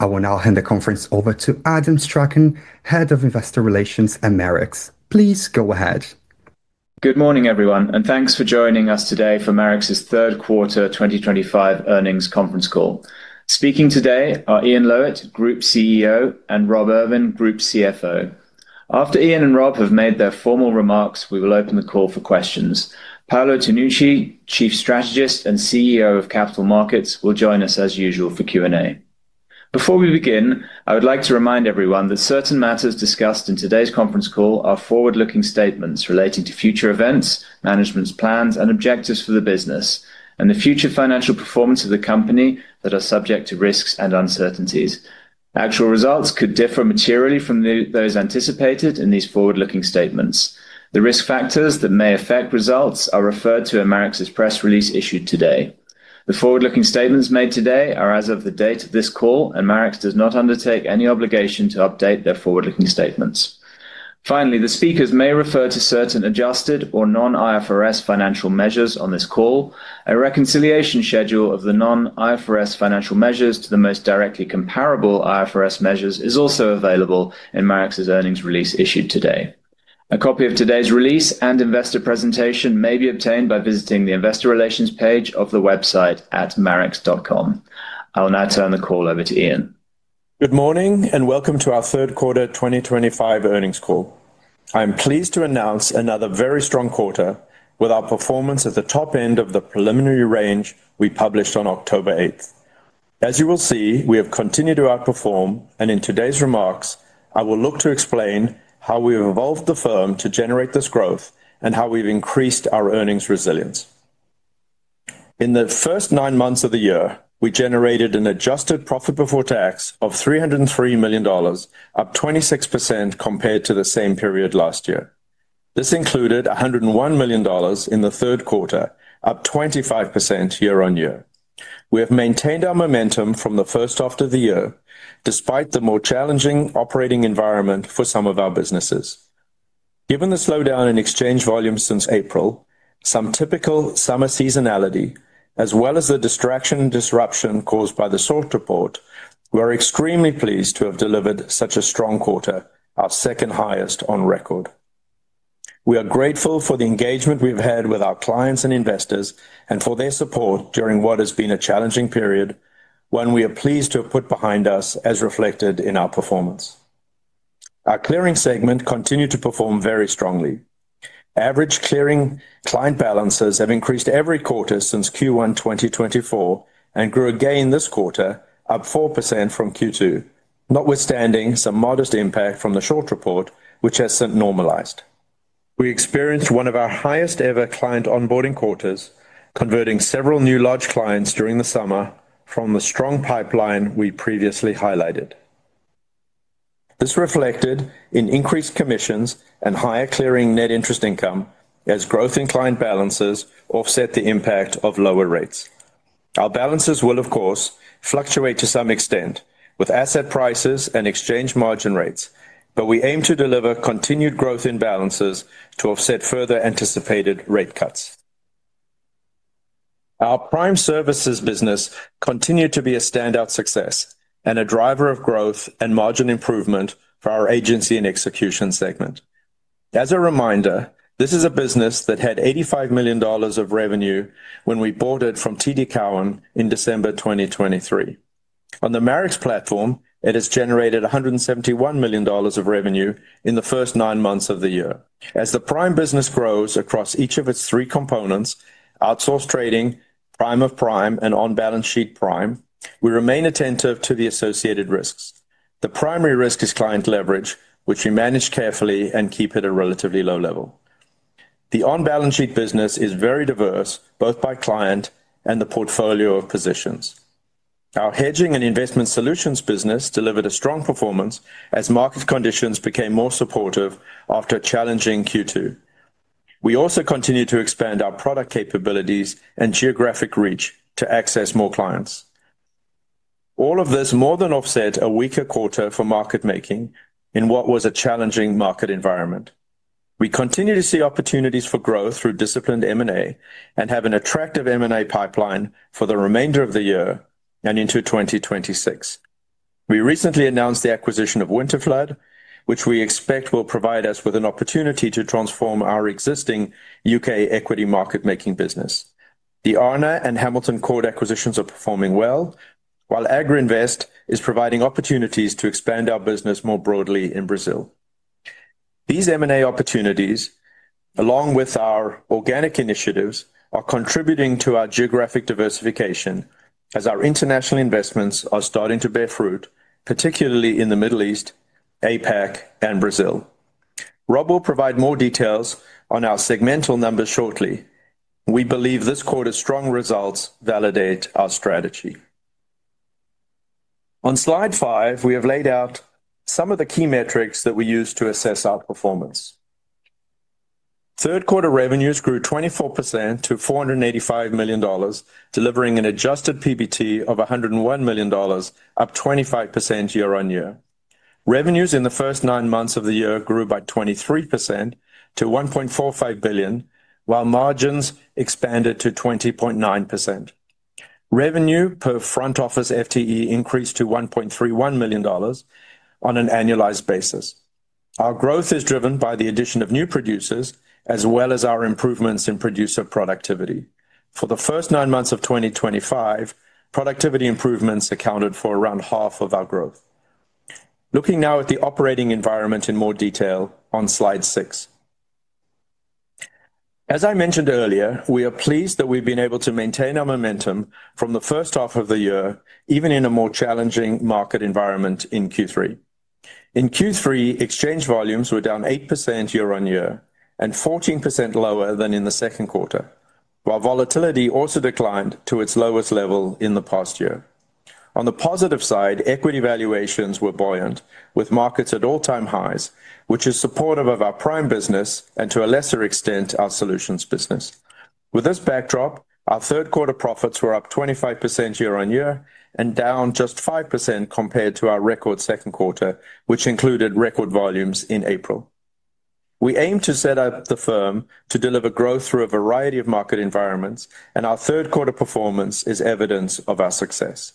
I will now hand the conference over to Adam Strachan, Head of Investor Relations at Marex. Please go ahead. Good morning, everyone, and thanks for joining us today for Marex's third quarter 2025 earnings conference call. Speaking today are Ian Lowitt, Group CEO, and Rob Irvin, Group CFO. After Ian and Rob have made their formal remarks, we will open the call for questions. Paolo Tonucci, Chief Strategist and CEO of Capital Markets, will join us as usual for Q&A. Before we begin, I would like to remind everyone that certain matters discussed in today's conference call are forward-looking statements relating to future events, management's plans and objectives for the business, and the future financial performance of the company that are subject to risks and uncertainties. Actual results could differ materially from those anticipated in these forward-looking statements. The risk factors that may affect results are referred to in Marex's press release issued today. The forward-looking statements made today are as of the date of this call, and Marex does not undertake any obligation to update their forward-looking statements. Finally, the speakers may refer to certain adjusted or non-IFRS financial measures on this call. A reconciliation schedule of the non-IFRS financial measures to the most directly comparable IFRS measures is also available in Marex's earnings release issued today. A copy of today's release and investor presentation may be obtained by visiting the investor relations page of the website at marex.com. I will now turn the call over to Ian. Good morning and welcome to our third quarter 2025 earnings call. I am pleased to announce another very strong quarter with our performance at the top end of the preliminary range we published on October 8. As you will see, we have continued to outperform, and in today's remarks, I will look to explain how we have evolved the firm to generate this growth and how we've increased our earnings resilience. In the first nine months of the year, we generated an Adjusted Profit Before Tax of $303 million, up 26% compared to the same period last year. This included $101 million in the third quarter, up 25% year on year. We have maintained our momentum from the first half of the year, despite the more challenging operating environment for some of our businesses. Given the slowdown in exchange volumes since April, some typical summer seasonality, as well as the distraction and disruption caused by the SOLT report, we are extremely pleased to have delivered such a strong quarter, our second highest on record. We are grateful for the engagement we have had with our clients and investors and for their support during what has been a challenging period, one we are pleased to have put behind us, as reflected in our performance. Our clearing segment continued to perform very strongly. Average clearing client balances have increased every quarter since Q1 2024 and grew again this quarter, up 4% from Q2, notwithstanding some modest impact from the short report, which has since normalized. We experienced one of our highest ever client onboarding quarters, converting several new large clients during the summer from the strong pipeline we previously highlighted. This reflected in increased commissions and higher clearing net interest income as growth in client balances offset the impact of lower rates. Our balances will, of course, fluctuate to some extent with asset prices and exchange margin rates, but we aim to deliver continued growth in balances to offset further anticipated rate cuts. Our Prime Services business continued to be a standout success and a driver of growth and margin improvement for our Agency and Execution segment. As a reminder, this is a business that had $85 million of revenue when we bought it from TD Cowen in December 2023. On the Marex platform, it has generated $171 million of revenue in the first nine months of the year. As the Prime business grows across each of its three components, outsourced trading, Prime of Prime, and on-balance-sheet Prime, we remain attentive to the associated risks. The primary risk is client leverage, which we manage carefully and keep at a relatively low level. The on-balance-sheet business is very diverse, both by client and the portfolio of positions. Our hedging and investment solutions business delivered a strong performance as market conditions became more supportive after challenging Q2. We also continue to expand our product capabilities and geographic reach to access more clients. All of this more than offset a weaker quarter for market making in what was a challenging market environment. We continue to see opportunities for growth through disciplined M&A and have an attractive M&A pipeline for the remainder of the year and into 2026. We recently announced the acquisition of Winterflood, which we expect will provide us with an opportunity to transform our existing U.K. equity market making business. The Argo and Hamilton Court acquisitions are performing well, while Agrinvest is providing opportunities to expand our business more broadly in Brazil. These M&A opportunities, along with our organic initiatives, are contributing to our geographic diversification as our international investments are starting to bear fruit, particularly in the Middle East, APAC, and Brazil. Rob will provide more details on our segmental numbers shortly. We believe this quarter's strong results validate our strategy. On slide five, we have laid out some of the key metrics that we use to assess our performance. Third quarter revenues grew 24% to $485 million, delivering an Adjusted PBT of $101 million, up 25% year on year. Revenues in the first nine months of the year grew by 23% to $1.45 billion, while margins expanded to 20.9%. Revenue per front office FTE increased to $1.31 million. On an annualized basis. Our growth is driven by the addition of new producers, as well as our improvements in producer productivity. For the first nine months of 2025, productivity improvements accounted for around half of our growth. Looking now at the operating environment in more detail on slide six. As I mentioned earlier, we are pleased that we've been able to maintain our momentum from the first half of the year, even in a more challenging market environment in Q3. In Q3, exchange volumes were down 8% year on year and 14% lower than in the second quarter, while volatility also declined to its lowest level in the past year. On the positive side, equity valuations were buoyant, with markets at all-time highs, which is supportive of our Prime business and, to a lesser extent, our solutions business. With this backdrop, our third quarter profits were up 25% year on year and down just 5% compared to our record second quarter, which included record volumes in April. We aim to set up the firm to deliver growth through a variety of market environments, and our third quarter performance is evidence of our success.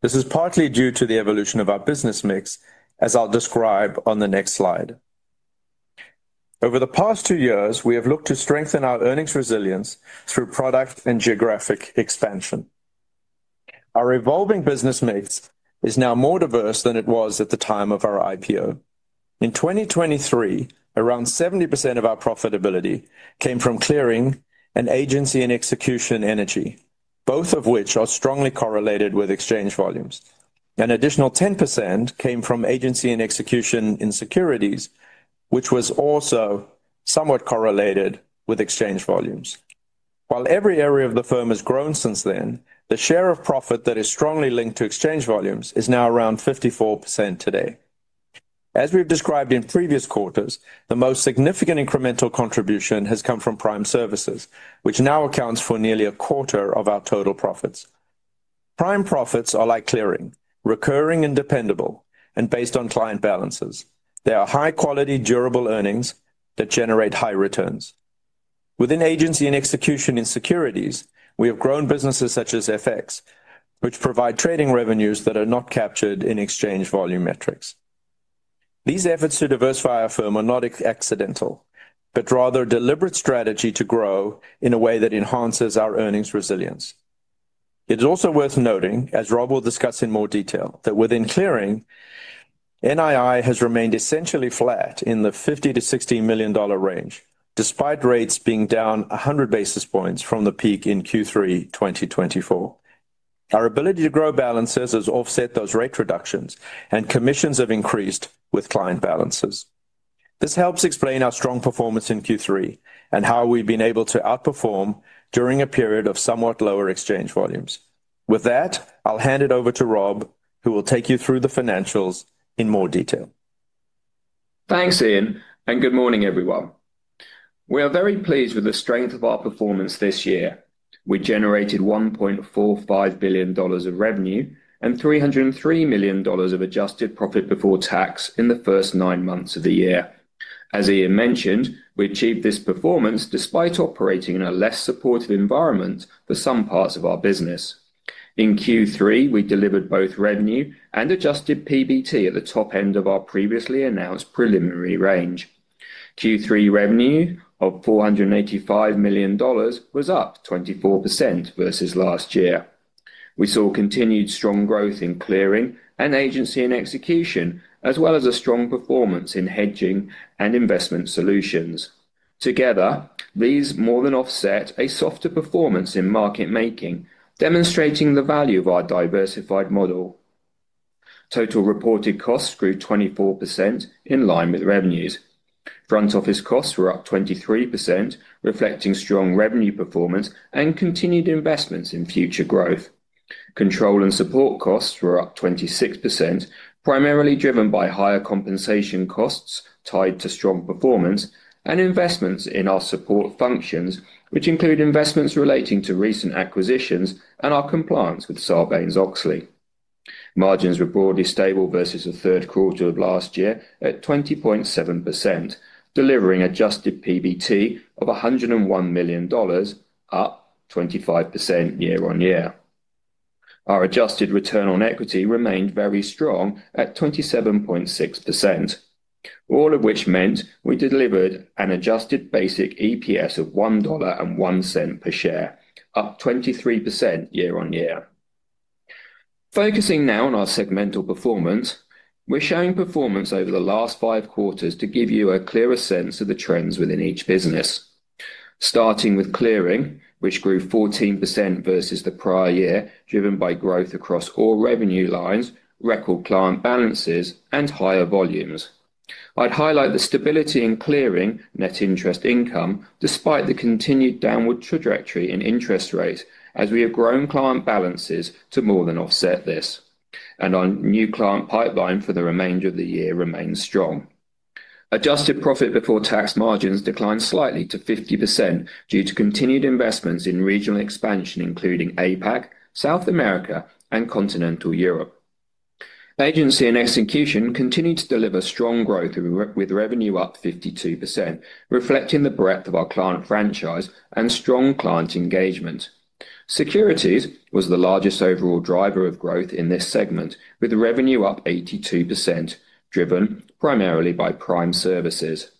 This is partly due to the evolution of our business mix, as I'll describe on the next slide. Over the past two years, we have looked to strengthen our earnings resilience through product and geographic expansion. Our evolving business mix is now more diverse than it was at the time of our IPO. In 2023, around 70% of our profitability came from clearing and Agency and Execution energy, both of which are strongly correlated with exchange volumes. An additional 10% came from Agency and Execution in securities, which was also somewhat correlated with exchange volumes. While every area of the firm has grown since then, the share of profit that is strongly linked to exchange volumes is now around 54% today. As we've described in previous quarters, the most significant incremental contribution has come from Prime Services, which now accounts for nearly a quarter of our total profits. Prime profits are like clearing, recurring and dependable, and based on client balances. They are high-quality, durable earnings that generate high returns. Within Agency and Execution in securities, we have grown businesses such as FX, which provide trading revenues that are not captured in exchange volume metrics. These efforts to diversify our firm are not accidental, but rather a deliberate strategy to grow in a way that enhances our earnings resilience. It is also worth noting, as Rob will discuss in more detail, that within clearing. NII has remained essentially flat in the $50 million-$60 million range, despite rates being down 100 basis points from the peak in Q3 2024. Our ability to grow balances has offset those rate reductions, and commissions have increased with client balances. This helps explain our strong performance in Q3 and how we've been able to outperform during a period of somewhat lower exchange volumes. With that, I'll hand it over to Rob, who will take you through the financials in more detail. Thanks, Ian, and good morning, everyone. We are very pleased with the strength of our performance this year. We generated $1.45 billion of revenue and $303 million of Adjusted Profit Before Tax in the first nine months of the year. As Ian mentioned, we achieved this performance despite operating in a less supportive environment for some parts of our business. In Q3, we delivered both revenue and Adjusted PBT at the top end of our previously announced preliminary range. Q3 revenue of $485 million was up 24% versus last year. We saw continued strong growth in clearing and Agency and Execution, as well as a strong performance in hedging and investment solutions. Together, these more than offset a softer performance in market making, demonstrating the value of our diversified model. Total reported costs grew 24% in line with revenues. Front office costs were up 23%, reflecting strong revenue performance and continued investments in future growth. Control and support costs were up 26%, primarily driven by higher compensation costs tied to strong performance and investments in our support functions, which include investments relating to recent acquisitions and our compliance with Sarbanes-Oxley. Margins were broadly stable versus the third quarter of last year at 20.7%, delivering Adjusted PBT of $101 million, up 25% year on year. Our adjusted return on equity remained very strong at 27.6%. All of which meant we delivered an adjusted basic EPS of $1.01 per share, up 23% year on year. Focusing now on our segmental performance, we're showing performance over the last five quarters to give you a clearer sense of the trends within each business. Starting with clearing, which grew 14% versus the prior year, driven by growth across all revenue lines, record client balances, and higher volumes. I'd highlight the stability in clearing net interest income, despite the continued downward trajectory in interest rates, as we have grown client balances to more than offset this, and our new client pipeline for the remainder of the year remains strong. Adjusted Profit Before Tax margins declined slightly to 50% due to continued investments in regional expansion, including APAC, South America, and continental Europe. Agency and Execution continue to deliver strong growth with revenue up 52%, reflecting the breadth of our client franchise and strong client engagement. Securities was the largest overall driver of growth in this segment, with revenue up 82%, driven primarily by Prime Services.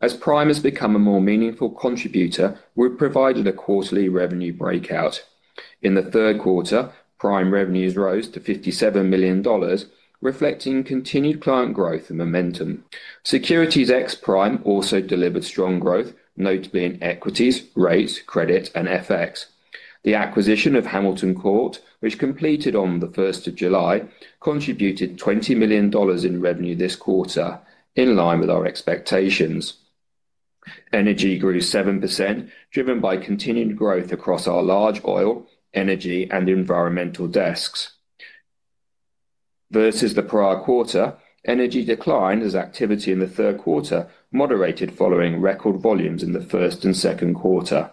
As Prime has become a more meaningful contributor, we've provided a quarterly revenue breakout. In the third quarter, Prime revenues rose to $57 million, reflecting continued client growth and momentum. Securities ex-Prime also delivered strong growth, notably in equities, rates, credit, and FX. The acquisition of Hamilton Court, which completed on the 1st of July, contributed $20 million in revenue this quarter, in line with our expectations. Energy grew 7%, driven by continued growth across our large oil, energy, and environmental desks. Versus the prior quarter, energy declined as activity in the third quarter moderated following record volumes in the first and second quarter.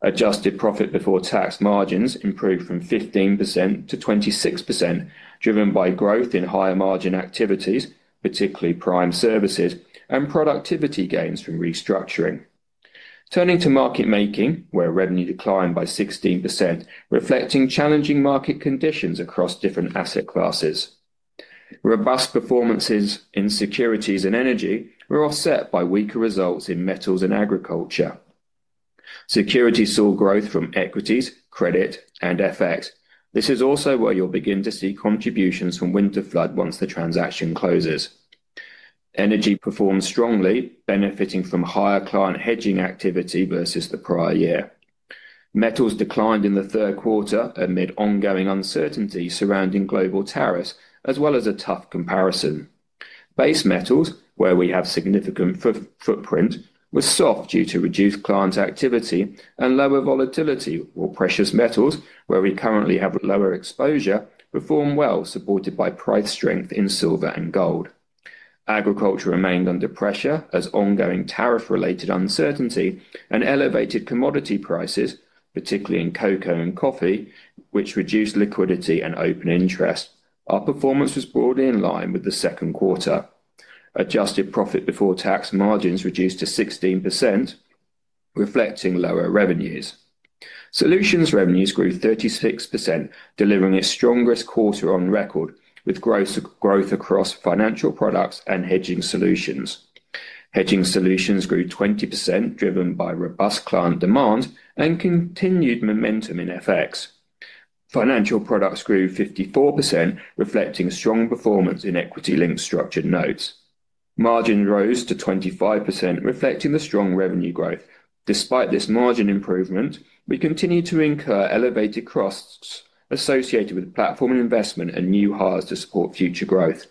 Adjusted Profit Before Tax margins improved from 15% to 26%, driven by growth in higher margin activities, particularly Prime Services, and productivity gains from restructuring. Turning to market making, where revenue declined by 16%, reflecting challenging market conditions across different asset classes. Robust performances in securities and energy were offset by weaker results in metals and agriculture. Securities saw growth from equities, credit, and FX. This is also where you'll begin to see contributions from Winterflood once the transaction closes. Energy performed strongly, benefiting from higher client hedging activity versus the prior year. Metals declined in the third quarter amid ongoing uncertainty surrounding global tariffs, as well as a tough comparison. Base metals, where we have significant footprint, were soft due to reduced client activity and lower volatility, while precious metals, where we currently have lower exposure, performed well, supported by price strength in silver and gold. Agriculture remained under pressure as ongoing tariff-related uncertainty and elevated commodity prices, particularly in cocoa and coffee, which reduced liquidity and open interest. Our performance was broadly in line with the second quarter. Adjusted Profit Before Tax margins reduced to 16%, reflecting lower revenues. Solutions revenues grew 36%, delivering its strongest quarter on record, with growth across financial products and hedging solutions. Hedging solutions grew 20%, driven by robust client demand and continued momentum in FX. Financial products grew 54%, reflecting strong performance in equity-linked structured notes. Margin rose to 25%, reflecting the strong revenue growth. Despite this margin improvement, we continue to incur elevated costs associated with platform investment and new hires to support future growth.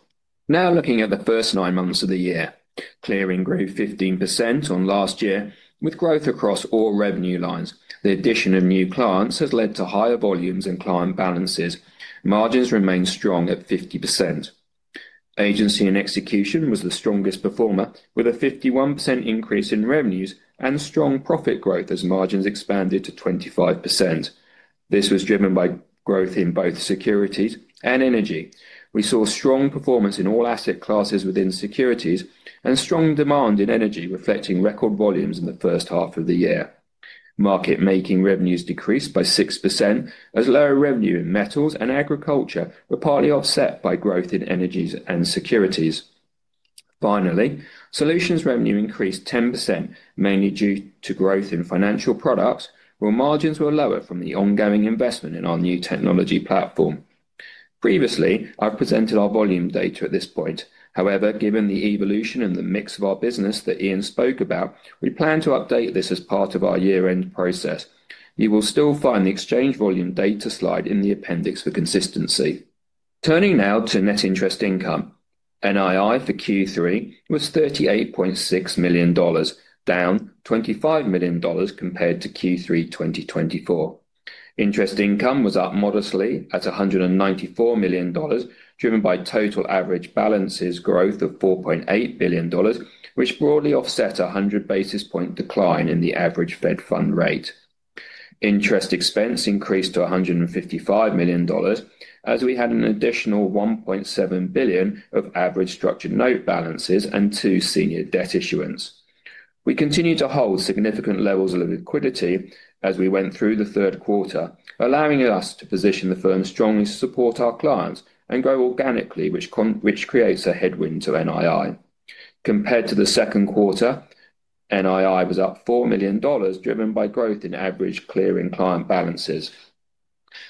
Now looking at the first nine months of the year, clearing grew 15% on last year, with growth across all revenue lines. The addition of new clients has led to higher volumes and client balances. Margins remain strong at 50%. Agency and Execution was the strongest performer, with a 51% increase in revenues and strong profit growth as margins expanded to 25%. This was driven by growth in both securities and energy. We saw strong performance in all asset classes within securities and strong demand in energy, reflecting record volumes in the first half of the year. Market making revenues decreased by 6% as lower revenue in metals and agriculture were partly offset by growth in energies and securities. Finally, solutions revenue increased 10%, mainly due to growth in financial products, while margins were lower from the ongoing investment in our new technology platform. Previously, I've presented our volume data at this point. However, given the evolution and the mix of our business that Ian spoke about, we plan to update this as part of our year-end process. You will still find the exchange volume data slide in the appendix for consistency. Turning now to net interest income, NII for Q3 was $38.6 million, down $25 million compared to Q3 2024. Interest income was up modestly at $194 million, driven by total average balances growth of $4.8 billion, which broadly offset a 100 basis point decline in the average Fed fund rate. Interest expense increased to $155 million, as we had an additional $1.7 billion of average structured note balances and two senior debt issuance. We continue to hold significant levels of liquidity as we went through the third quarter, allowing us to position the firm strongly to support our clients and grow organically, which creates a headwind to NII. Compared to the second quarter, NII was up $4 million, driven by growth in average clearing client balances.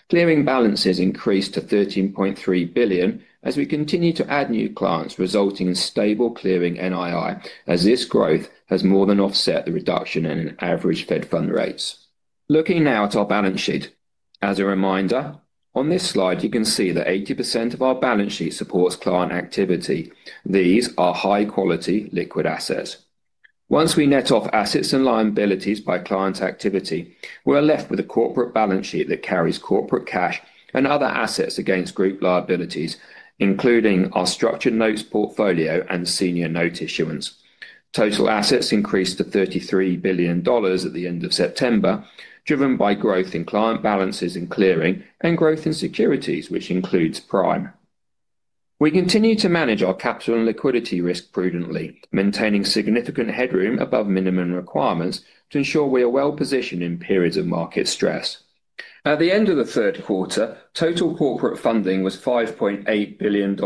Clearing balances increased to $13.3 billion as we continue to add new clients, resulting in stable clearing NII, as this growth has more than offset the reduction in average Fed fund rates. Looking now at our balance sheet, as a reminder, on this slide, you can see that 80% of our balance sheet supports client activity. These are high-quality liquid assets. Once we net off assets and liabilities by client activity, we're left with a corporate balance sheet that carries corporate cash and other assets against group liabilities, including our structured notes portfolio and senior note issuance. Total assets increased to $33 billion at the end of September, driven by growth in client balances and clearing and growth in securities, which includes Prime. We continue to manage our capital and liquidity risk prudently, maintaining significant headroom above minimum requirements to ensure we are well positioned in periods of market stress. At the end of the third quarter, total corporate funding was $5.8 billion,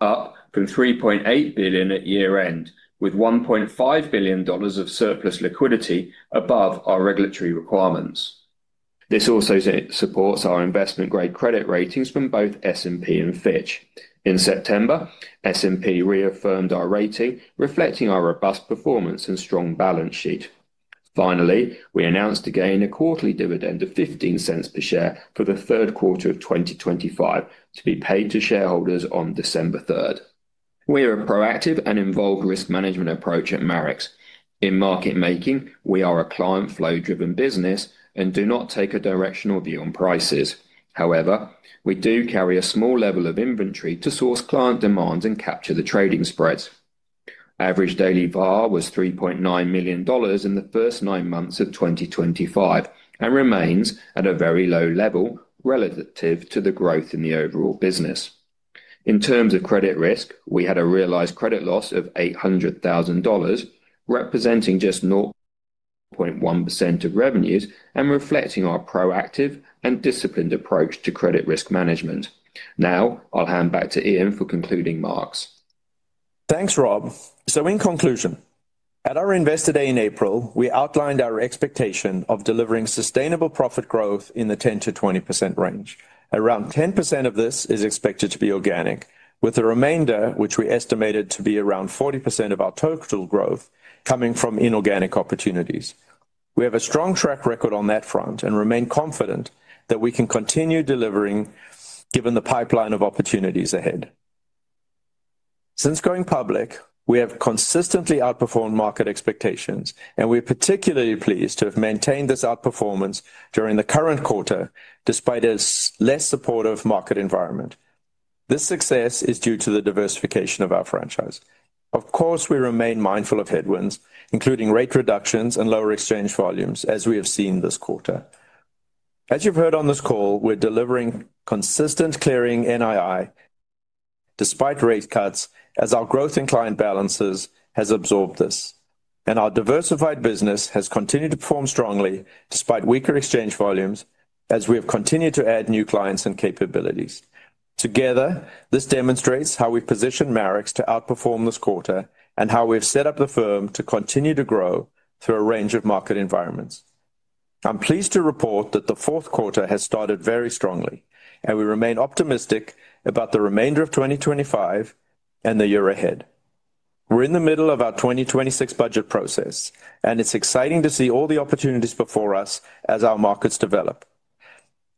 up from $3.8 billion at year-end, with $1.5 billion of surplus liquidity above our regulatory requirements. This also supports our investment-grade credit ratings from both S&P and Fitch. In September, S&P reaffirmed our rating, reflecting our robust performance and strong balance sheet. Finally, we announced again a quarterly dividend of $0.15 per share for the third quarter of 2025 to be paid to shareholders on December 3rd. We are a proactive and involved risk management approach at Marex. In market making, we are a client-flow-driven business and do not take a directional view on prices. However, we do carry a small level of inventory to source client demands and capture the trading spreads. Average daily VAR was $3.9 million in the first nine months of 2025 and remains at a very low level relative to the growth in the overall business. In terms of credit risk, we had a realized credit loss of $800,000. Representing just 0.1% of revenues and reflecting our proactive and disciplined approach to credit risk management. Now I'll hand back to Ian for concluding marks. Thanks, Rob. In conclusion, at our investor day in April, we outlined our expectation of delivering sustainable profit growth in the 10%-20% range. Around 10% of this is expected to be organic, with the remainder, which we estimated to be around 40% of our total growth, coming from inorganic opportunities. We have a strong track record on that front and remain confident that we can continue delivering given the pipeline of opportunities ahead. Since going public, we have consistently outperformed market expectations, and we are particularly pleased to have maintained this outperformance during the current quarter despite a less supportive market environment. This success is due to the diversification of our franchise. Of course, we remain mindful of headwinds, including rate reductions and lower exchange volumes, as we have seen this quarter. As you've heard on this call, we're delivering consistent clearing NII. Despite rate cuts, as our growth in client balances has absorbed this, and our diversified business has continued to perform strongly despite weaker exchange volumes, as we have continued to add new clients and capabilities. Together, this demonstrates how we've positioned Marex to outperform this quarter and how we've set up the firm to continue to grow through a range of market environments. I'm pleased to report that the fourth quarter has started very strongly, and we remain optimistic about the remainder of 2025 and the year ahead. We're in the middle of our 2026 budget process, and it's exciting to see all the opportunities before us as our markets develop.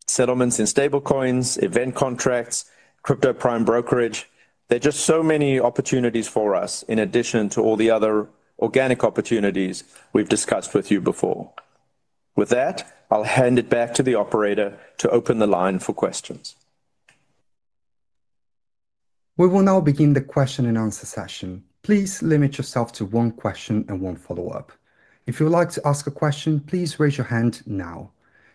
Settlements in stablecoins, event contracts, crypto Prime brokerage, there are just so many opportunities for us in addition to all the other organic opportunities we've discussed with you before. With that, I'll hand it back to the operator to open the line for questions. We will now begin the question and answer session. Please limit yourself to one question and one follow-up. If you would like to ask a question, please raise your hand now.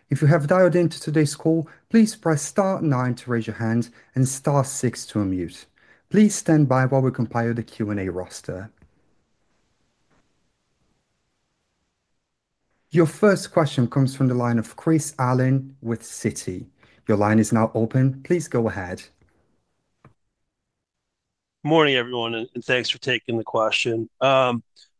If you have dialed into today's call, please press star nine to raise your hand and star six to unmute. Please stand by while we compile the Q&A roster. Your first question comes from the line of Chris Allen with Citi. Your line is now open. Please go ahead. Morning, everyone, and thanks for taking the question. I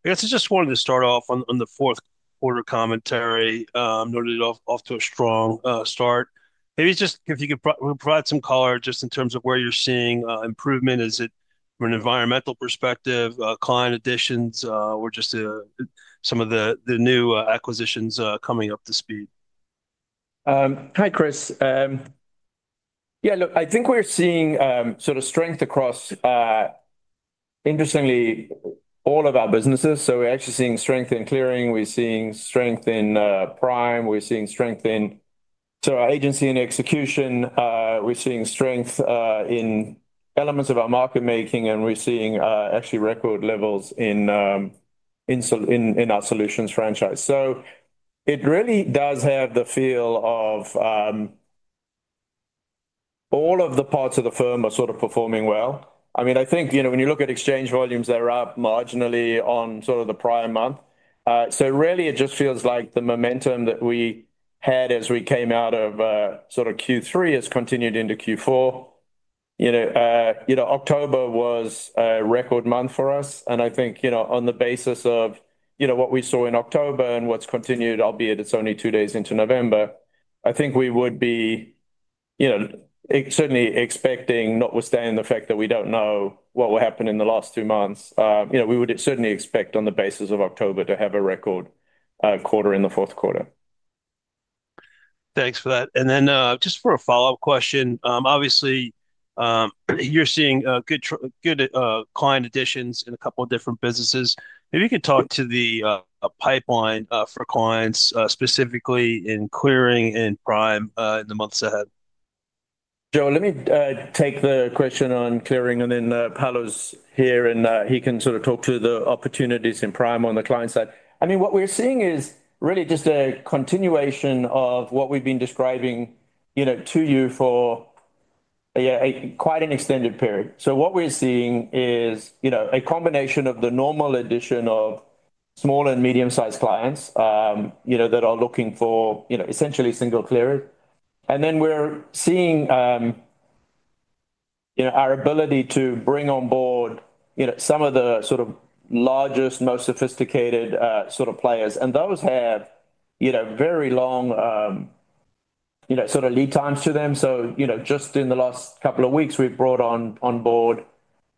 guess I just wanted to start off on the fourth quarter commentary. I noted it off to a strong start. Maybe just if you could provide some color just in terms of where you're seeing improvement. Is it from an environmental perspective, client additions, or just some of the new acquisitions coming up to speed? Hi, Chris. Yeah, look, I think we're seeing sort of strength across. Interestingly, all of our businesses. So we're actually seeing strength in clearing. We're seeing strength in Prime. We're seeing strength in our Agency and Execution. We're seeing strength in elements of our market making, and we're seeing actually record levels in our solutions franchise. So it really does have the feel of all of the parts of the firm are sort of performing well. I mean, I think you know when you look at exchange volumes, they're up marginally on sort of the prior month. So really, it just feels like the momentum that we had as we came out of sort of Q3 has continued into Q4. You know, October was a record month for us. I think you know on the basis of you know what we saw in October and what's continued, albeit it's only two days into November, I think we would be, you know, certainly expecting, notwithstanding the fact that we don't know what will happen in the last two months, you know we would certainly expect on the basis of October to have a record quarter in the fourth quarter. Thanks for that. Just for a follow-up question, obviously, you're seeing good client additions in a couple of different businesses. Maybe you could talk to the pipeline for clients specifically in Clearing and Prime in the months ahead. Joe, let me take the question on clearing, and then Paolo's here, and he can sort of talk to the opportunities in Prime on the client side. I mean, what we're seeing is really just a continuation of what we've been describing, you know, to you for quite an extended period. What we're seeing is, you know, a combination of the normal addition of small and medium-sized clients, you know, that are looking for, you know, essentially single clearers. Then we're seeing, you know, our ability to bring on board, you know, some of the sort of largest, most sophisticated sort of players. Those have, you know, very long, you know, sort of lead times to them. You know just in the last couple of weeks, we've brought on board,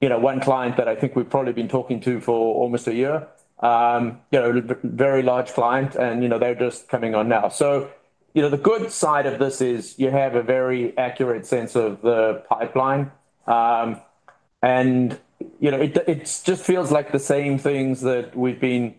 you know, one client that I think we've probably been talking to for almost a year. You know, a very large client, and you know, they're just coming on now. The good side of this is you have a very accurate sense of the pipeline. You know, it just feels like the same things that we've been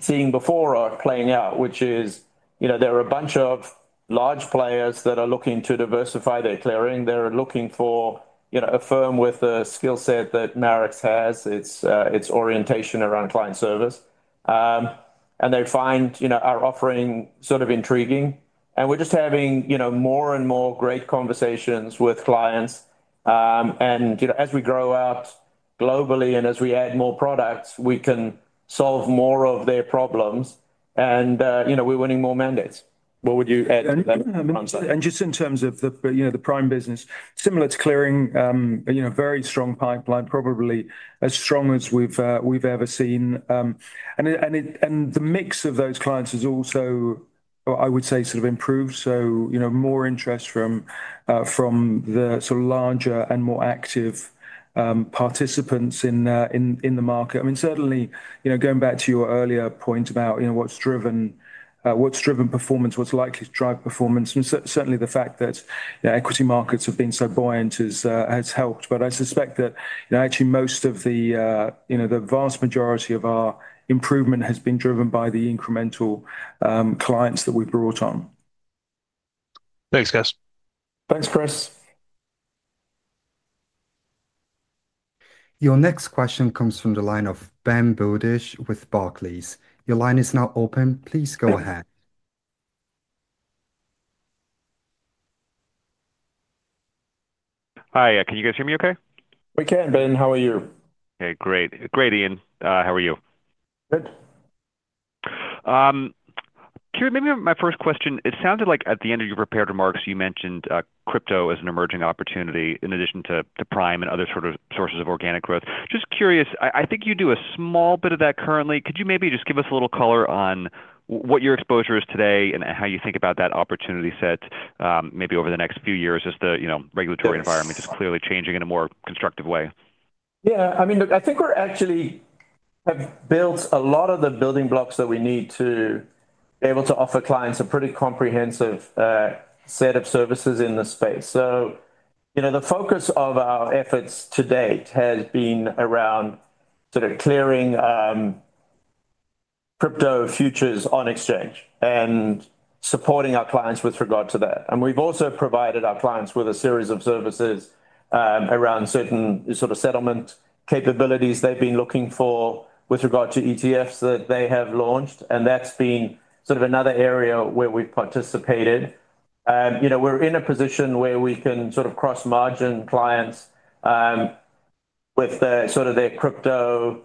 seeing before are playing out, which is, you know, there are a bunch of large players that are looking to diversify their clearing. They're looking for, you know, a firm with the skill set that Marex has, its orientation around client service. They find, you know, our offering sort of intriguing. We're just having, you know, more and more great conversations with clients. You know as we grow out globally and as we add more products, we can solve more of their problems. You know we're winning more mandates. What would you add to that? Just in terms of the, you know, the Prime business, similar to clearing, very strong pipeline, probably as strong as we've ever seen. The mix of those clients has also, I would say, sort of improved. You know, more interest from the sort of larger and more active participants in the market. I mean, certainly, you know, going back to your earlier point about, you know, what's driven performance, what's likely to drive performance, certainly the fact that equity markets have been so buoyant has helped. I suspect that, you know, actually most of the, you know, the vast majority of our improvement has been driven by the incremental clients that we've brought on. Thanks, guys. Thanks, Chris. Your next question comes from the line of Ben Budish with Barclays. Your line is now open. Please go ahead. Hi, can you guys hear me okay? We can, Ben. How are you? Okay, great. Great, Ian. How are you? Good. Curious, maybe my first question, it sounded like at the end of your prepared remarks, you mentioned crypto as an emerging opportunity in addition to Prime and other sort of sources of organic growth. Just curious, I think you do a small bit of that currently. Could you maybe just give us a little color on what your exposure is today and how you think about that opportunity set maybe over the next few years as the regulatory environment is clearly changing in a more constructive way? Yeah, I mean, look, I think we actually have built a lot of the building blocks that we need to be able to offer clients a pretty comprehensive set of services in this space. You know, the focus of our efforts to date has been around sort of clearing crypto futures on exchange and supporting our clients with regard to that. We've also provided our clients with a series of services around certain sort of settlement capabilities they've been looking for with regard to ETFs that they have launched. That's been sort of another area where we've participated. You know, we're in a position where we can sort of cross-margin clients with sort of their crypto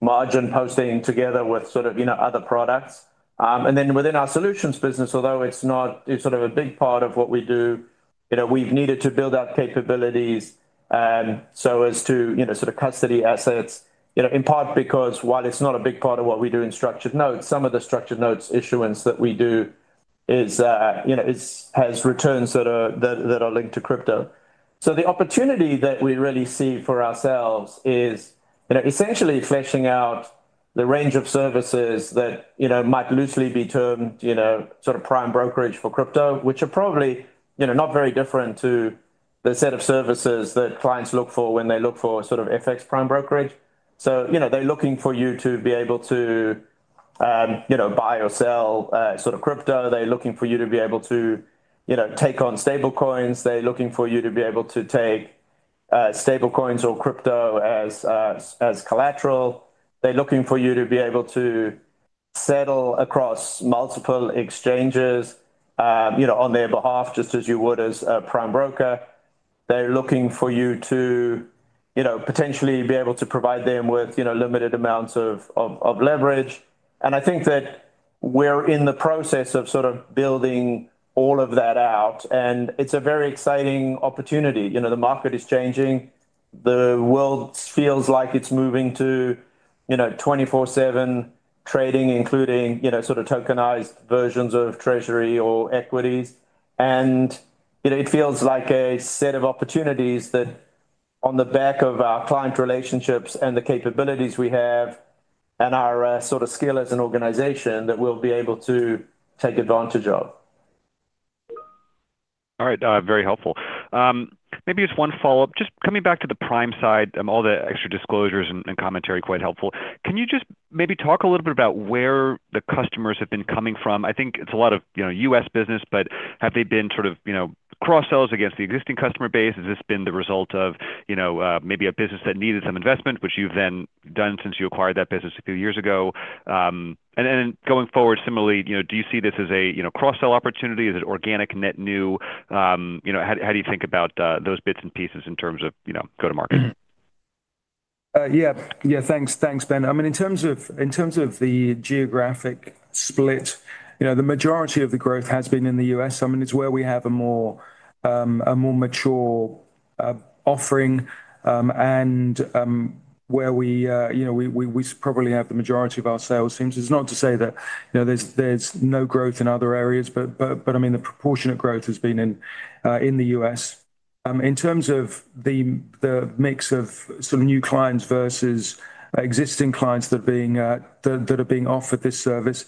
margin posting together with sort of, you know, other products. Within our solutions business, although it's not sort of a big part of what we do, you know we've needed to build out capabilities so as to, you know, sort of custody assets, you know, in part because while it's not a big part of what we do in structured notes, some of the structured notes issuance that we do has returns that are linked to crypto. The opportunity that we really see for ourselves is, you know, essentially fleshing out the range of services that, you know, might loosely be termed, you know, sort of Prime brokerage for crypto, which are probably, you know, not very different to the set of services that clients look for when they look for sort of FX Prime brokerage. You know, they're looking for you to be able to, you know, buy or sell sort of crypto. They're looking for you to be able to, you know, take on stablecoins. They're looking for you to be able to take stablecoins or crypto as collateral. They're looking for you to be able to settle across multiple exchanges, you know, on their behalf, just as you would as a Prime broker. They're looking for you to, you know, potentially be able to provide them with, you know, limited amounts of leverage. I think that we're in the process of sort of building all of that out. It's a very exciting opportunity. You know, the market is changing. The world feels like it's moving to, you know, 24/7 trading, including, you know, sort of tokenized versions of treasury or equities. You know it feels like a set of opportunities that on the back of our client relationships and the capabilities we have and our sort of skill as an organization that we'll be able to take advantage of. All right, very helpful. Maybe just one follow-up. Just coming back to the Prime side, all the extra disclosures and commentary quite helpful. Can you just maybe talk a little bit about where the customers have been coming from? I think it's a lot of U.S. business, but have they been sort of cross-sells against the existing customer base? Has this been the result of, you know, maybe a business that needed some investment, which you've then done since you acquired that business a few years ago? Then going forward, similarly, you know, do you see this as a cross-sell opportunity? Is it organic, net new? You know, how do you think about those bits and pieces in terms of, you know, go-to-market? Yeah, yeah, thanks, thanks, Ben. I mean, in terms of the geographic split, you know the majority of the growth has been in the U.S. I mean, it's where we have a more mature offering and where we, you know, we probably have the majority of our sales teams. It's not to say that, you know, there's no growth in other areas, but I mean, the proportionate growth has been in the U.S. In terms of the mix of sort of new clients versus existing clients that are being offered this service,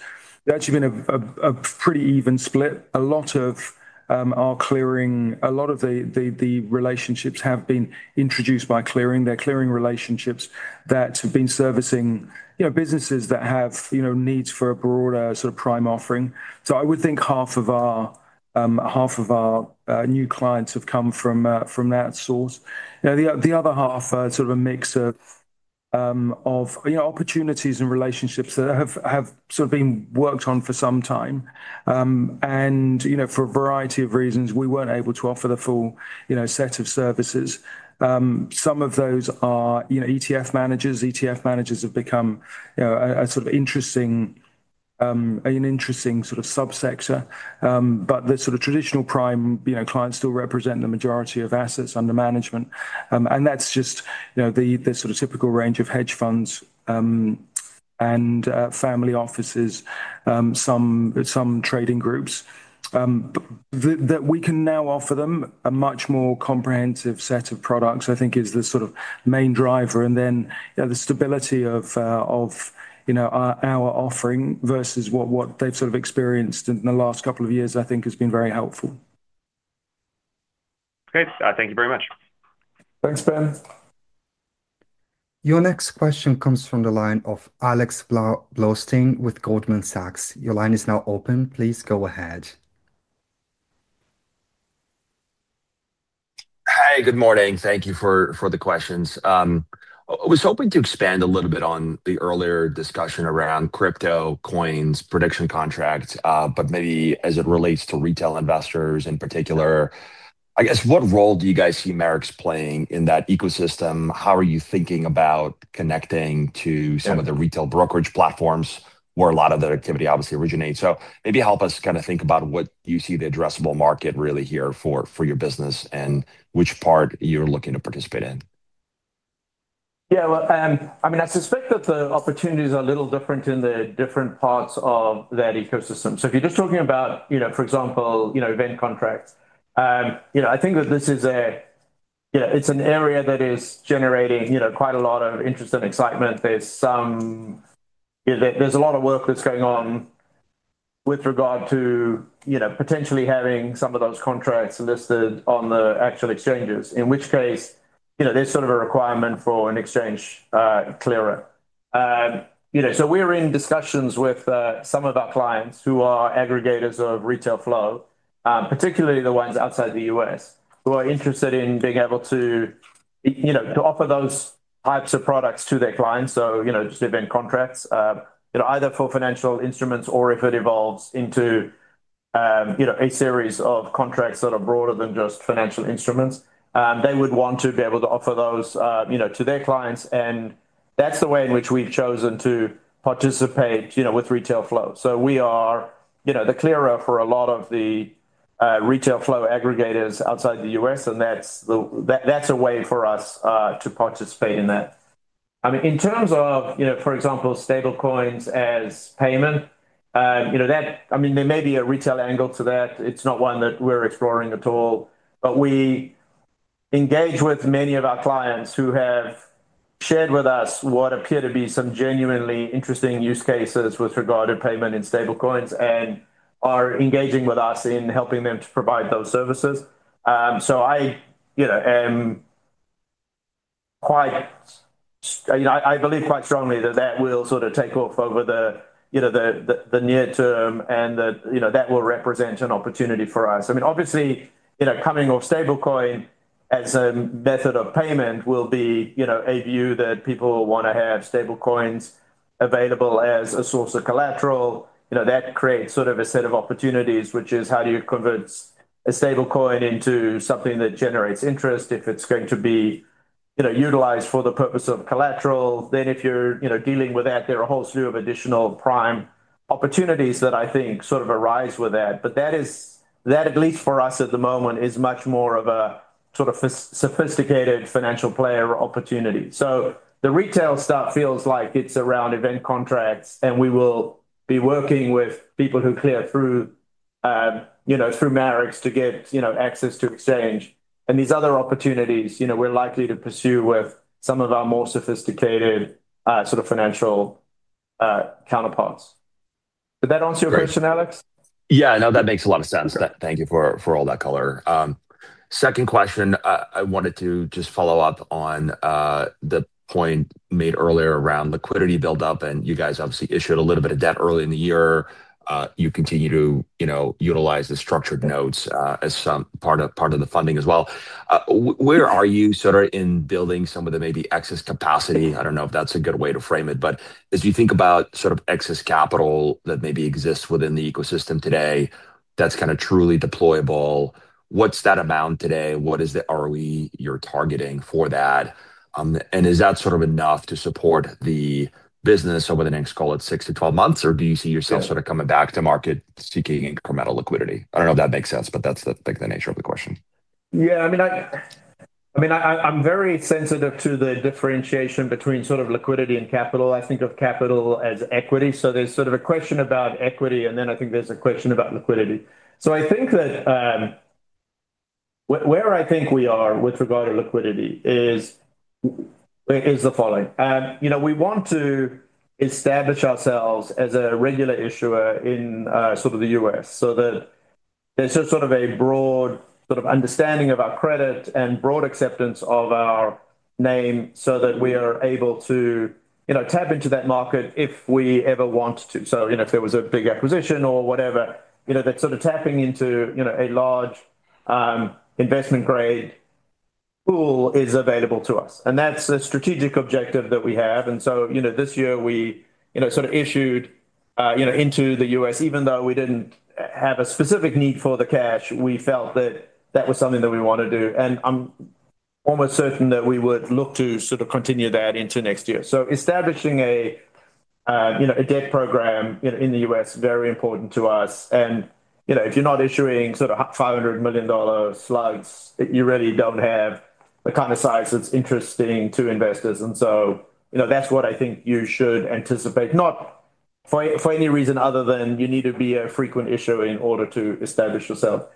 it's actually been a pretty even split. A lot of our clearing, a lot of the relationships have been introduced by clearing. They're clearing relationships that have been servicing, you know, businesses that have, you know, needs for a broader sort of Prime offering. So I would think half of our new clients have come from that source. The other half are sort of a mix of opportunities and relationships that have sort of been worked on for some time. You know, for a variety of reasons, we were not able to offer the full set of services. Some of those are, you know, ETF managers. ETF managers have become, you know, a sort of interesting, an interesting sort of subsector. The sort of traditional Prime clients still represent the majority of assets under management. That is just, you know, the sort of typical range of hedge funds and family offices, some trading groups. That we can now offer them a much more comprehensive set of products, I think, is the sort of main driver. The stability of our offering versus what they have sort of experienced in the last couple of years, I think, has been very helpful. Okay, thank you very much. Thanks, Ben. Your next question comes from the line of Alex Bloustein with Goldman Sachs. Your line is now open. Please go ahead. Hi, good morning. Thank you for the questions. I was hoping to expand a little bit on the earlier discussion around crypto, coins, prediction contracts, but maybe as it relates to retail investors in particular. I guess, what role do you guys see Marex playing in that ecosystem? How are you thinking about connecting to some of the retail brokerage platforms where a lot of that activity obviously originates? Maybe help us kind of think about what you see the addressable market really here for your business and which part you're looking to participate in. Yeah, I mean, I suspect that the opportunities are a little different in the different parts of that ecosystem. If you're just talking about, for example, event contracts, I think that this is an area that is generating quite a lot of interest and excitement. There's a lot of work that's going on. With regard to potentially having some of those contracts listed on the actual exchanges, in which case there's sort of a requirement for an exchange clearer. We're in discussions with some of our clients who are aggregators of retail flow, particularly the ones outside the U.S., who are interested in being able to offer those types of products to their clients. You know, just event contracts, you know, either for financial instruments or if it evolves into, you know, a series of contracts that are broader than just financial instruments. They would want to be able to offer those, you know, to their clients. That is the way in which we have chosen to participate, you know, with retail flow. We are, you know, the clearer for a lot of the retail flow aggregators outside the U.S., and that is a way for us to participate in that. I mean, in terms of, you know, for example, stablecoins as payment, you know, that, I mean, there may be a retail angle to that. It is not one that we are exploring at all. But we. Engage with many of our clients who have shared with us what appear to be some genuinely interesting use cases with regard to payment in stablecoins and are engaging with us in helping them to provide those services. I, you know, am quite, you know, I believe quite strongly that that will sort of take off over the, you know, the near term and that, you know, that will represent an opportunity for us. I mean, obviously, you know, coming off stablecoin as a method of payment will be, you know, a view that people want to have stablecoins available as a source of collateral. You know, that creates sort of a set of opportunities, which is how do you convert a stablecoin into something that generates interest if it is going to be, you know, utilized for the purpose of collateral. If you're, you know, dealing with that, there are a whole slew of additional Prime opportunities that I think sort of arise with that. That, at least for us at the moment, is much more of a sort of sophisticated financial player opportunity. The retail stuff feels like it's around event contracts, and we will be working with people who clear through, you know, through Marex to get, you know, access to exchange. These other opportunities, you know, we're likely to pursue with some of our more sophisticated sort of financial counterparts. Does that answer your question, Alex? Yeah, no, that makes a lot of sense. Thank you for all that color. Second question, I wanted to just follow up on the point made earlier around liquidity buildup. You guys obviously issued a little bit of debt early in the year. You continue to, you know, utilize the structured notes as some part of the funding as well. Where are you sort of in building some of the maybe excess capacity? I do not know if that is a good way to frame it. As you think about sort of excess capital that maybe exists within the ecosystem today that is kind of truly deployable, what is that amount today? What is the ROE you are targeting for that? Is that sort of enough to support the business over the next, call it 6-12 months? Do you see yourself sort of coming back to market seeking incremental liquidity? I do not know if that makes sense, but that is the nature of the question. Yeah, I mean. I'm very sensitive to the differentiation between sort of liquidity and capital. I think of capital as equity. So there's sort of a question about equity and then I think there's a question about liquidity. Where I think we are with regard to liquidity is the following. You know, we want to establish ourselves as a regular issuer in sort of the U.S. so that there's just sort of a broad sort of understanding of our credit and broad acceptance of our name so that we are able to, you know, tap into that market if we ever want to. You know, if there was a big acquisition or whatever, you know, that sort of tapping into, you know, a large investment grade pool is available to us. That's the strategic objective that we have. You know this year we, you know, sort of issued, you know, into the U.S., even though we did not have a specific need for the cash, we felt that that was something that we wanted to do. I am almost certain that we would look to sort of continue that into next year. Establishing a debt program, you know, in the U.S. is very important to us. You know, if you are not issuing sort of $500 million slugs, you really do not have the kind of size that is interesting to investors. That is what I think you should anticipate, not for any reason other than you need to be a frequent issuer in order to establish yourself.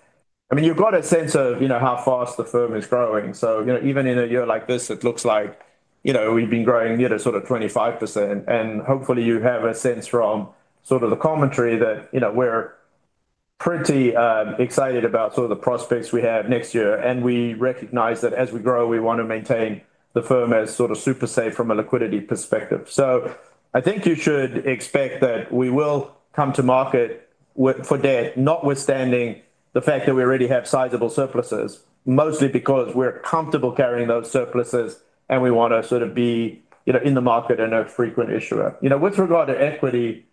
I mean, you have got a sense of, you know, how fast the firm is growing. You know even in a year like this, it looks like you know we've been growing you know sort of 25%. Hopefully you have a sense from sort of the commentary that you know we're pretty excited about sort of the prospects we have next year. We recognize that as we grow, we want to maintain the firm as sort of super safe from a liquidity perspective. I think you should expect that we will come to market for debt, notwithstanding the fact that we already have sizable surpluses, mostly because we're comfortable carrying those surpluses and we want to sort of be you know in the market and a frequent issuer. You know with regard to equity,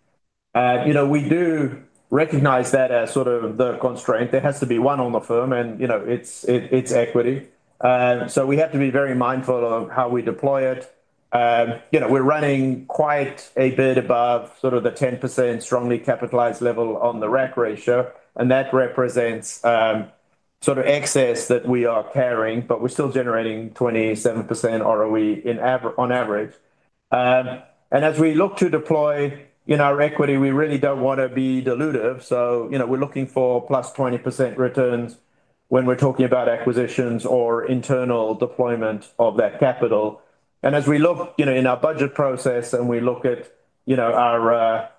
you know we do recognize that as sort of the constraint. There has to be one on the firm and you know it's equity. We have to be very mindful of how we deploy it. You know we're running quite a bit above sort of the 10% strongly capitalized level on the RAC ratio. That represents sort of excess that we are carrying, but we're still generating 27% ROE on average. As we look to deploy in our equity, we really don't want to be dilutive. You know we're looking for plus 20% returns when we're talking about acquisitions or internal deployment of that capital. As we look in our budget process and we look at our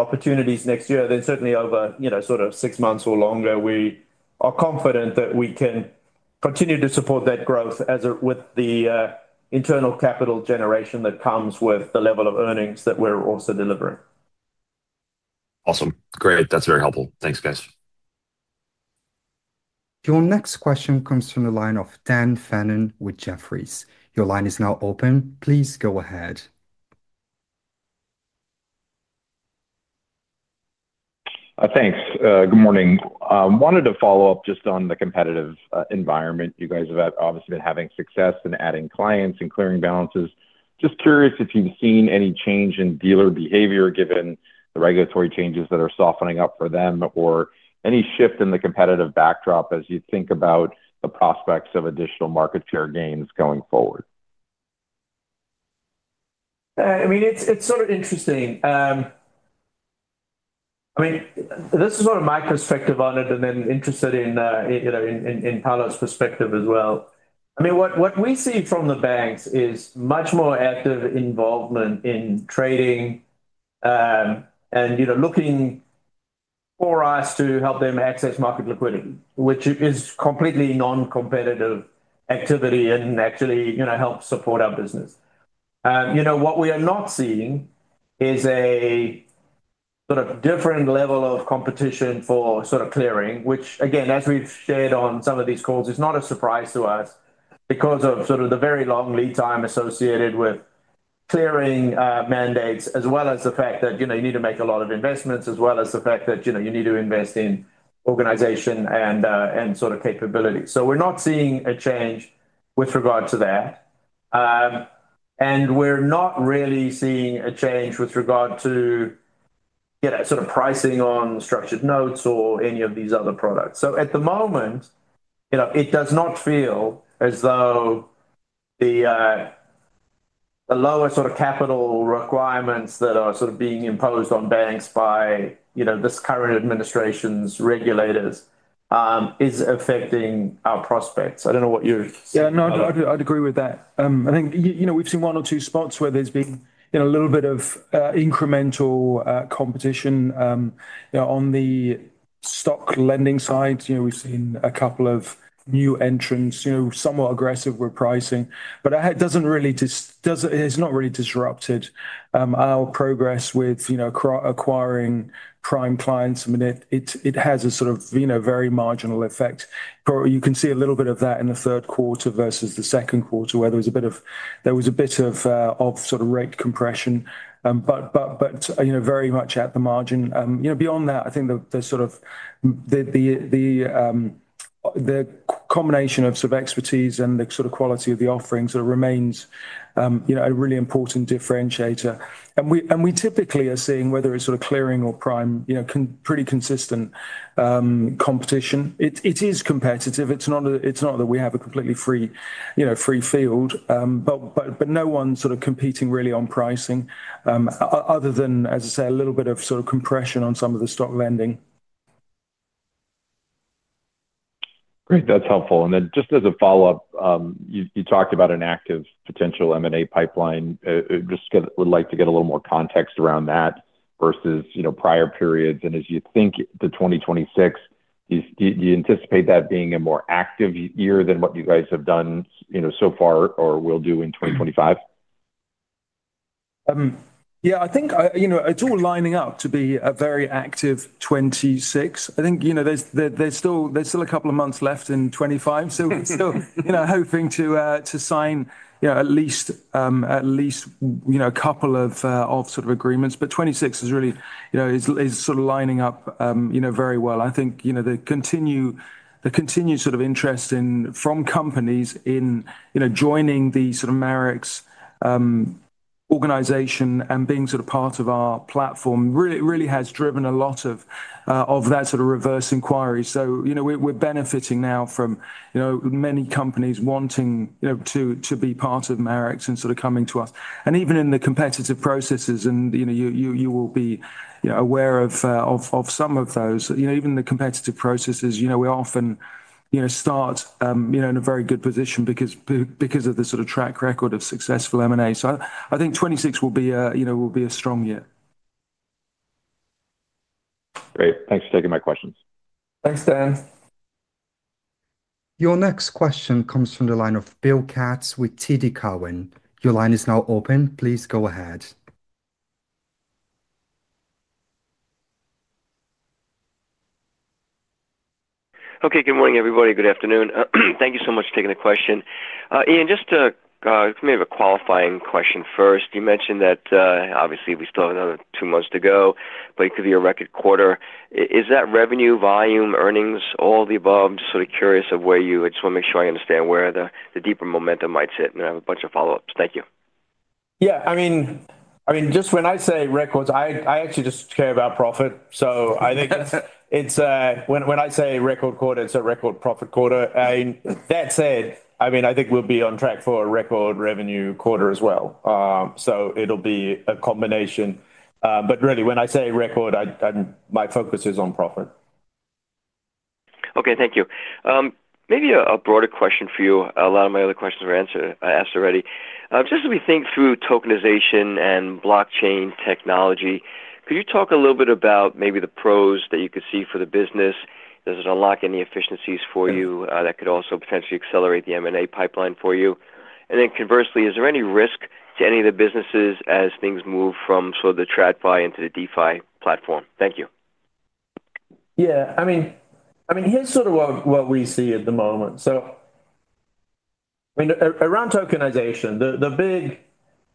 opportunities next year, then certainly over sort of six months or longer, we are confident that we can continue to support that growth with the internal capital generation that comes with the level of earnings that we're also delivering. Awesome. Great. That's very helpful. Thanks, guys. Your next question comes from the line of Dan Fannin with Jefferies. Your line is now open. Please go ahead. Thanks. Good morning. I wanted to follow up just on the competitive environment. You guys have obviously been having success in adding clients and clearing balances. Just curious if you've seen any change in dealer behavior given the regulatory changes that are softening up for them or any shift in the competitive backdrop as you think about the prospects of additional market share gains going forward. I mean, it's sort of interesting. I mean, this is sort of my perspective on it and then interested in Paolo's perspective as well. I mean, what we see from the banks is much more active involvement in trading. And you know, looking for us to help them access market liquidity, which is completely non-competitive activity and actually, you know, helps support our business. You know, what we are not seeing is a sort of different level of competition for sort of clearing, which again, as we've shared on some of these calls, is not a surprise to us because of sort of the very long lead time associated with clearing mandates, as well as the fact that, you know, you need to make a lot of investments, as well as the fact that, you know, you need to invest in organization and sort of capability. We're not seeing a change with regard to that. We're not really seeing a change with regard to sort of pricing on structured notes or any of these other products. At the moment, you know, it does not feel as though the lower sort of capital requirements that are sort of being imposed on banks by, you know, this current administration's regulators is affecting our prospects. I don't know what you're saying. Yeah, no, I'd agree with that. I think you know we've seen one or two spots where there's been a little bit of incremental competition. On the stock lending side, you know we've seen a couple of new entrants, you know somewhat aggressive repricing, but it doesn't really, it's not really disrupted our progress with, you know, acquiring Prime clients. I mean, it has a sort of, you know, very marginal effect. You can see a little bit of that in the third quarter versus the second quarter, where there was a bit of, there was a bit of sort of rate compression, but you know very much at the margin. You know beyond that, I think the sort of combination of sort of expertise and the sort of quality of the offering sort of remains, you know, a really important differentiator. We typically are seeing whether it's sort of clearing or Prime, you know, pretty consistent competition. It is competitive. It's not that we have a completely free field, but no one's sort of competing really on pricing, other than, as I say, a little bit of sort of compression on some of the stock lending. Great. That's helpful. Just as a follow-up, you talked about an active potential M&A pipeline. Just would like to get a little more context around that versus, you know, prior periods. As you think to 2026, do you anticipate that being a more active year than what you guys have done, you know, so far or will do in 2025? Yeah, I think you know it's all lining up to be a very active 2026. I think you know there's still a couple of months left in 2025. We're still, you know, hoping to sign, you know, at least, you know, a couple of sort of agreements. 2026 is really, you know, is sort of lining up, you know, very well. I think, you know, the continued sort of interest in from companies in, you know, joining the sort of Marex organization and being sort of part of our platform really has driven a lot of that sort of reverse inquiry. You know, we're benefiting now from, you know, many companies wanting, you know, to be part of Marex and sort of coming to us. Even in the competitive processes, and you know you will be aware of some of those, even the competitive processes, we often start in a very good position because of the sort of track record of successful M&A. I think 2026 will be a strong year. Great. Thanks for taking my questions. Thanks, Dan. Your next question comes from the line of Bill Katz with TD Cowen. Your line is now open. Please go ahead. Okay, good morning, everybody. Good afternoon. Thank you so much for taking the question. Ian, just for me to have a qualifying question first. You mentioned that obviously we still have another two months to go, but it could be a record quarter. Is that revenue, volume, earnings, all the above? Just sort of curious of where you, I just want to make sure I understand where the deeper momentum might sit and have a bunch of follow-ups. Thank you. Yeah, I mean, just when I say records, I actually just care about profit. I think it's, when I say record quarter, it's a record profit quarter. That said, I think we'll be on track for a record revenue quarter as well. It'll be a combination. Really, when I say record, my focus is on profit. Okay, thank you. Maybe a broader question for you. A lot of my other questions were answered already. Just as we think through tokenization and blockchain technology, could you talk a little bit about maybe the pros that you could see for the business? Does it unlock any efficiencies for you that could also potentially accelerate the M&A pipeline for you? Conversely, is there any risk to any of the businesses as things move from sort of the TradFi into the DeFi platform? Thank you. Yeah, I mean, here's sort of what we see at the moment. I mean, around tokenization, the big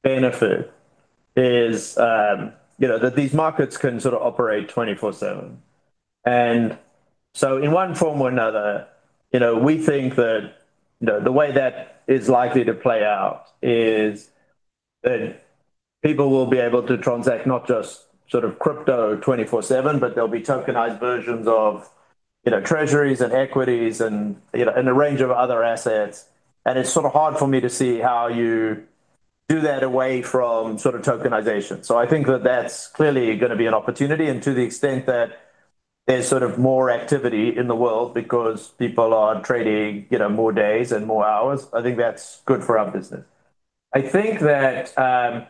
benefit is, you know, that these markets can sort of operate 24/7. In one form or another, you know, we think that, you know, the way that is likely to play out is that people will be able to transact not just sort of crypto 24/7, but there'll be tokenized versions of, you know, treasuries and equities and, you know, a range of other assets. It's sort of hard for me to see how you do that away from sort of tokenization. I think that that's clearly going to be an opportunity. To the extent that there's sort of more activity in the world because people are trading, you know, more days and more hours, I think that's good for our business. I think that.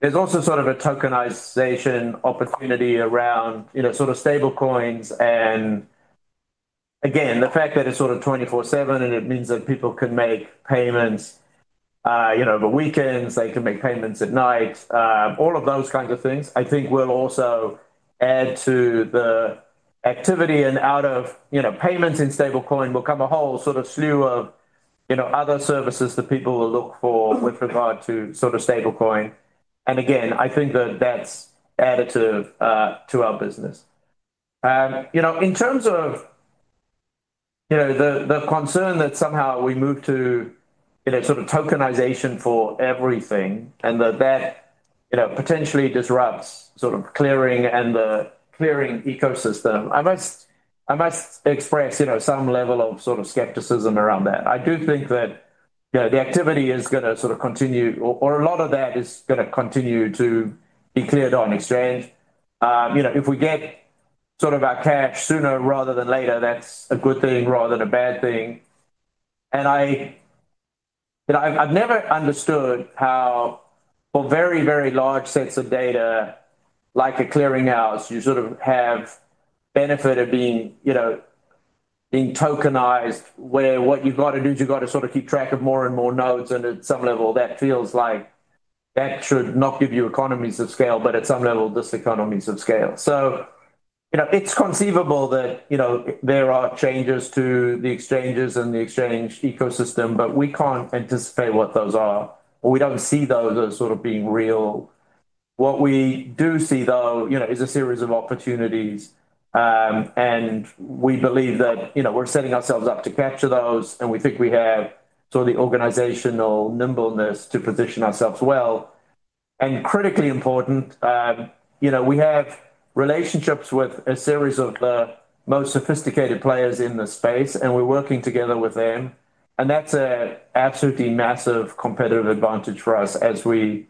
There's also sort of a tokenization opportunity around, you know, sort of stablecoins. Again, the fact that it's sort of 24/7 and it means that people can make payments, you know, over weekends, they can make payments at night, all of those kinds of things, I think will also add to the activity. Out of, you know, payments in stablecoin will come a whole sort of slew of, you know, other services that people will look for with regard to sort of stablecoin. Again, I think that that's additive to our business. You know, in terms of, you know, the concern that somehow we move to, you know, sort of tokenization for everything and that that, you know, potentially disrupts sort of clearing and the clearing ecosystem, I must express, you know, some level of sort of skepticism around that. I do think that, you know, the activity is going to sort of continue or a lot of that is going to continue to be cleared on exchange. You know, if we get sort of our cash sooner rather than later, that's a good thing rather than a bad thing. I, you know, I've never understood how, for very, very large sets of data, like a clearing house, you sort of have benefit of being, you know, being tokenized, where what you've got to do is you've got to sort of keep track of more and more nodes. At some level, that feels like that should not give you economies of scale, but at some level, just economies of scale. You know it's conceivable that, you know, there are changes to the exchanges and the exchange ecosystem, but we can't anticipate what those are or we don't see those as sort of being real. What we do see, though, you know, is a series of opportunities. We believe that, you know, we're setting ourselves up to capture those. We think we have sort of the organizational nimbleness to position ourselves well. Critically important, you know, we have relationships with a series of the most sophisticated players in the space, and we're working together with them. That's an absolutely massive competitive advantage for us as we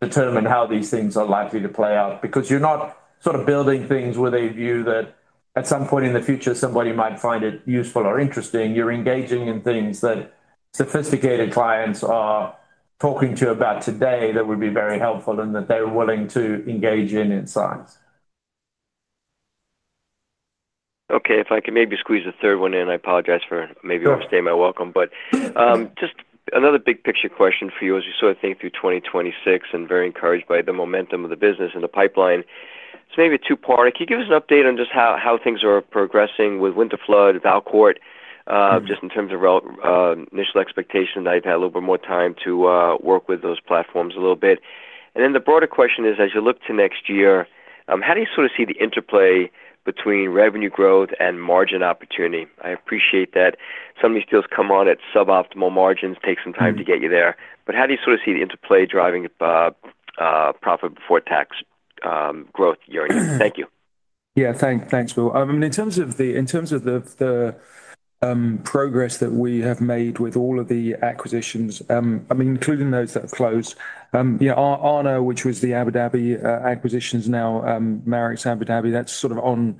determine how these things are likely to play out. You're not sort of building things with a view that at some point in the future, somebody might find it useful or interesting. You're engaging in things that sophisticated clients are talking to you about today that would be very helpful and that they're willing to engage in insights. Okay, if I can maybe squeeze a third one in, I apologize for maybe overstaying my welcome. Just another big picture question for you as we sort of think through 2026 and very encouraged by the momentum of the business and the pipeline. It's maybe a two-part. Can you give us an update on just how things are progressing with Winterflood, Valcourt, just in terms of initial expectation? I've had a little bit more time to work with those platforms a little bit. The broader question is, as you look to next year, how do you sort of see the interplay between revenue growth and margin opportunity? I appreciate that some of these deals come on at suboptimal margins, take some time to get you there. How do you sort of see the interplay driving profit before tax growth year in year? Thank you. Yeah, thanks, Bill. I mean, in terms of the progress that we have made with all of the acquisitions, I mean, including those that have closed, you know, Argo, which was the Abu Dhabi acquisition, now Marex Abu Dhabi, that's sort of on.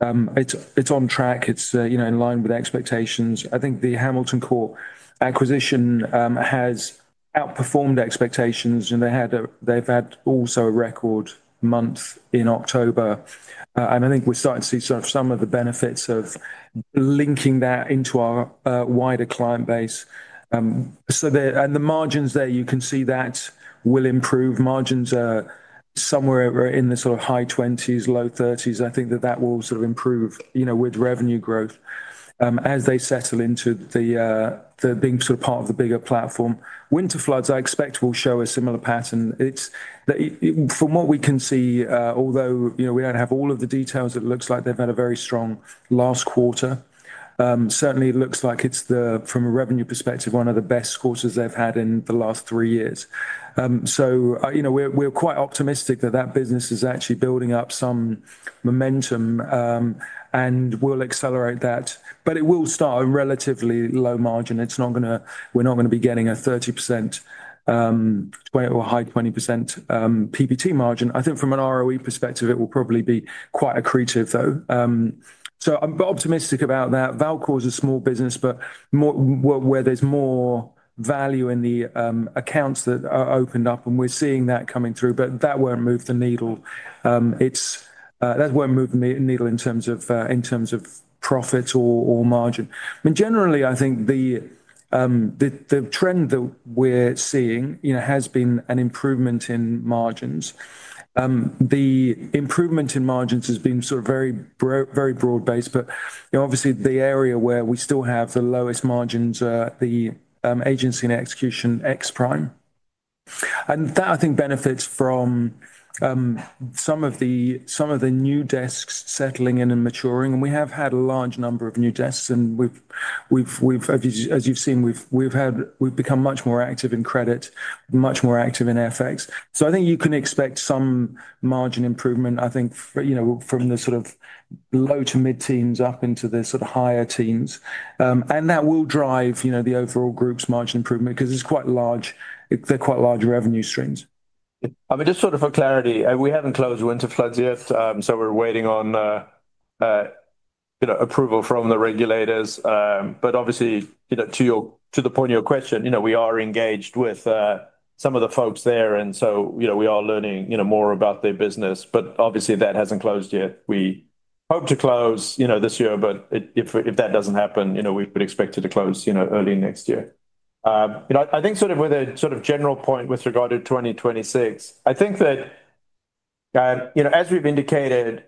It's on track. It's, you know, in line with expectations. I think the Hamilton Court acquisition has outperformed expectations. And they've had also a record month in October. I think we're starting to see sort of some of the benefits of linking that into our wider client base. And the margins there, you can see that will improve. Margins are somewhere in the sort of high 20s, low 30s. I think that that will sort of improve, you know, with revenue growth as they settle into the being sort of part of the bigger platform. Winterflood, I expect, will show a similar pattern. From what we can see, although you know we do not have all of the details, it looks like they have had a very strong last quarter. Certainly, it looks like it is the, from a revenue perspective, one of the best quarters they have had in the last three years. You know we are quite optimistic that that business is actually building up some momentum. We will accelerate that. It will start on relatively low margin. It is not going to, we are not going to be getting a 30%. High 20% PBT margin. I think from an ROE perspective, it will probably be quite accretive, though. I am optimistic about that. Valcourt is a small business, but where there is more value in the accounts that are opened up. We are seeing that coming through. That will not move the needle. That will not move the needle in terms of profit or margin. I mean, generally, I think the trend that we're seeing, you know, has been an improvement in margins. The improvement in margins has been sort of very broad-based. Obviously, the area where we still have the lowest margins is the Agency and Execution X Prime. That, I think, benefits from some of the new desks settling in and maturing. We have had a large number of new desks. As you've seen, we've become much more active in credit, much more active in FX. I think you can expect some margin improvement, you know, from the sort of low to mid-teens up into the sort of higher teens. That will drive, you know, the overall group's margin improvement because they are quite large revenue streams. I mean, just sort of for clarity, we haven't closed Winterflood yet. We are waiting on approval from the regulators. Obviously, you know, to the point of your question, you know, we are engaged with some of the folks there, and so, you know, we are learning, you know, more about their business. Obviously, that hasn't closed yet. We hope to close, you know, this year. If that doesn't happen, you know, we would expect it to close, you know, early next year. I think, sort of with a general point with regard to 2026, I think that, you know, as we've indicated,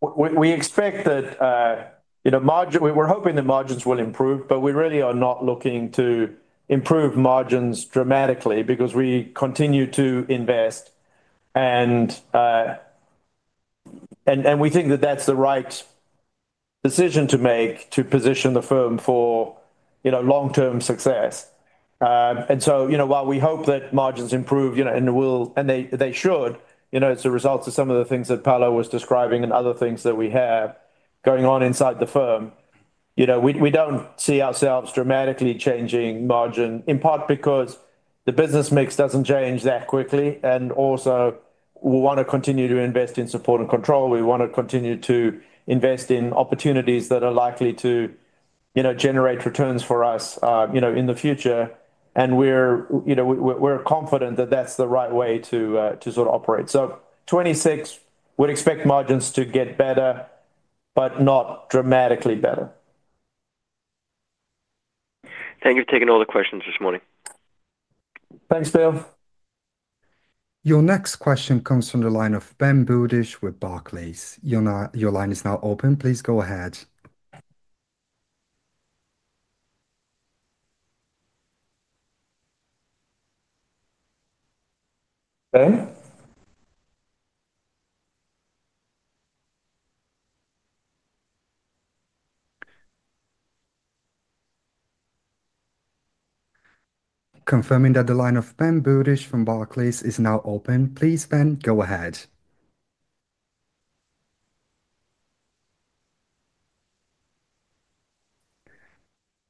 we expect that, you know, we're hoping the margins will improve. We really are not looking to improve margins dramatically because we continue to invest. We think that that's the right. Decision to make to position the firm for, you know, long-term success. And so, you know, while we hope that margins improve, you know, and they will and they should, you know, it is a result of some of the things that Paolo was describing and other things that we have going on inside the firm, you know, we do not see ourselves dramatically changing margin, in part because the business mix does not change that quickly. Also, we want to continue to invest in support and control. We want to continue to invest in opportunities that are likely to, you know, generate returns for us, you know, in the future. We are, you know, confident that that is the right way to sort of operate. For 2026, we would expect margins to get better, but not dramatically better. Thank you for taking all the questions this morning. Thanks, Bill. Your next question comes from the line of Ben Budish with Barclays. Your line is now open. Please go ahead. Ben? Confirming that the line of Ben Budish from Barclays is now open. Please, Ben, go ahead.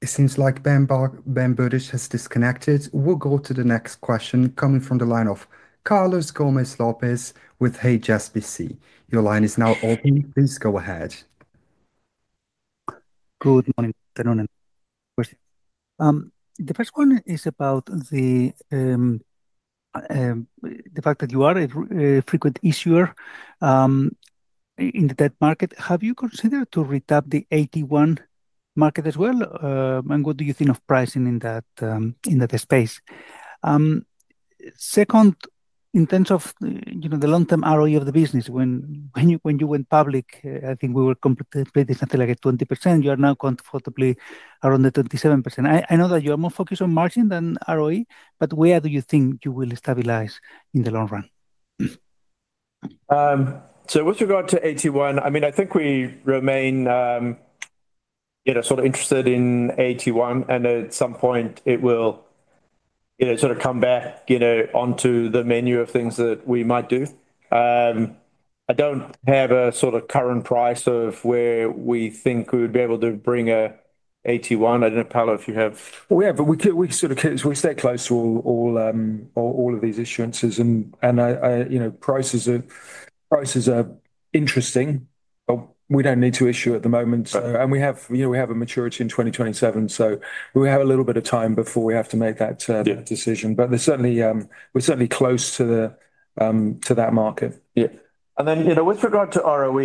It seems like Ben Budish has disconnected. We will go to the next question coming from the line of Carlos Gomez-Lopez with HSBC. Your line is now open. Please go ahead. Good morning. The first one is about the fact that you are a frequent issuer in the debt market. Have you considered to retap the AT1 market as well? And what do you think of pricing in that space? Second, in terms of, you know, the long-term ROE of the business, when you went public, I think we were completely at 20%. You are now comfortably around the 27%. I know that you are more focused on margin than ROE, but where do you think you will stabilize in the long run? With regard to AT1, I mean, I think we remain sort of interested in AT1. At some point, it will sort of come back, you know, onto the menu of things that we might do. I do not have a sort of current price of where we think we would be able to bring an AT1. I don't know, Paolo, if you have. Yeah, we stay close to all of these issuances. You know, prices are interesting. We do not need to issue at the moment, and we have a maturity in 2027. We have a little bit of time before we have to make that decision, but we are certainly close to that market. Yeah. And then you know with regard to ROE.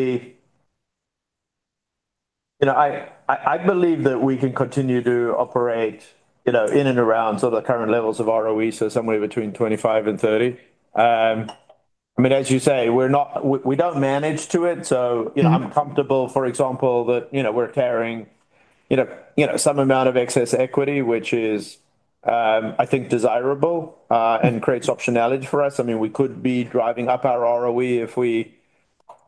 You know I believe that we can continue to operate you know in and around sort of the current levels of ROE, so somewhere between 25%-30%. I mean, as you say, we do not manage to it. You know I am comfortable, for example, that you know we are carrying you know some amount of excess equity, which is, I think, desirable and creates optionality for us. I mean, we could be driving up our ROE if we,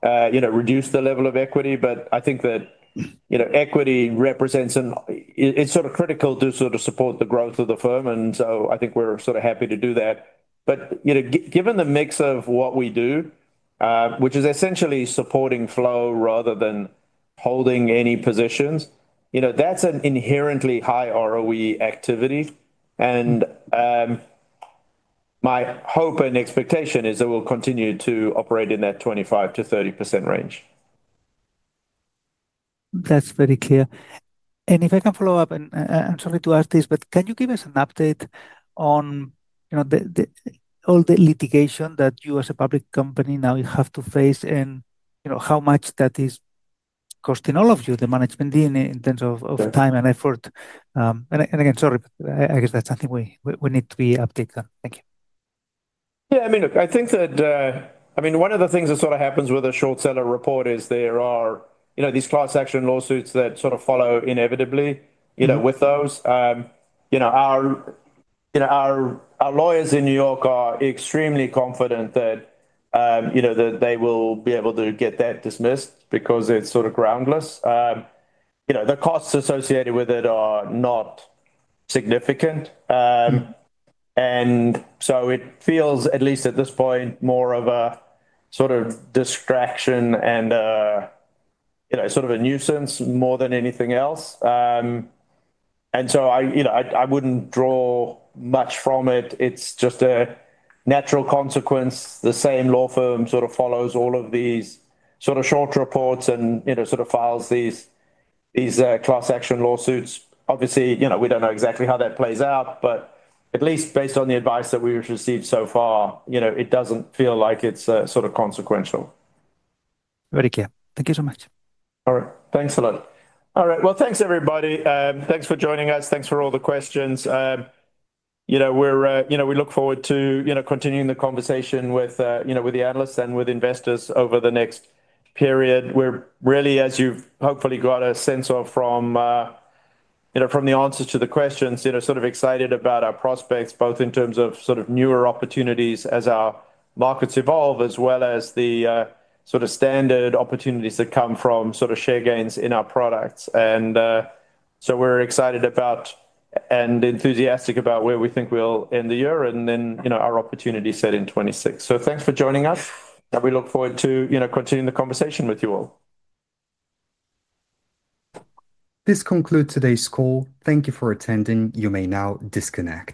you know, reduce the level of equity. I think that you know equity represents an, it is sort of critical to sort of support the growth of the firm. I think we are sort of happy to do that. You know given the mix of what we do. Which is essentially supporting flow rather than holding any positions, you know that's an inherently high ROE activity. My hope and expectation is that we'll continue to operate in that 25%-30% range. That's very clear. If I can follow up, and I'm sorry to ask this, but can you give us an update on all the litigation that you, as a public company, now you have to face and you know how much that is costing all of you, the management team, in terms of time and effort? Again, sorry, but I guess that's something we need to be updated on. Thank you. Yeah, I mean, look, I think that, I mean, one of the things that sort of happens with a short seller report is there are, you know, these class action lawsuits that sort of follow inevitably, you know, with those. You know, our lawyers in New York are extremely confident that, you know, they will be able to get that dismissed because it's sort of groundless. You know, the costs associated with it are not significant. And so it feels, at least at this point, more of a sort of distraction and, you know, sort of a nuisance more than anything else. And so I, you know, I wouldn't draw much from it. It's just a natural consequence. The same law firm sort of follows all of these sort of short reports and, you know, sort of files these class action lawsuits. Obviously, you know we don't know exactly how that plays out. At least based on the advice that we've received so far, you know it doesn't feel like it's sort of consequential. Very clear. Thank you so much. All right. Thanks a lot. All right. Thanks, everybody. Thanks for joining us. Thanks for all the questions. You know we look forward to, you know, continuing the conversation with, you know, with the analysts and with investors over the next period. We're really, as you've hopefully got a sense of from, you know, from the answers to the questions, you know, sort of excited about our prospects, both in terms of sort of newer opportunities as our markets evolve, as well as the sort of standard opportunities that come from sort of share gains in our products. We're excited about and enthusiastic about where we think we'll end the year and then, you know, our opportunity set in 2026. Thanks for joining us. We look forward to, you know, continuing the conversation with you all. This concludes today's call. Thank you for attending. You may now disconnect.